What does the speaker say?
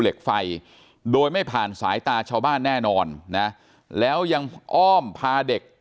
เหล็กไฟโดยไม่ผ่านสายตาชาวบ้านแน่นอนนะแล้วยังอ้อมพาเด็ก